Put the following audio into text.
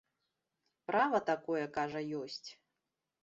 Права такое, кажа, ёсць.